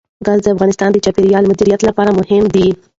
ګاز د افغانستان د چاپیریال د مدیریت لپاره مهم دي.